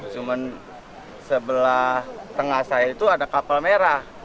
cuman sebelah tengah saya itu ada kapal merah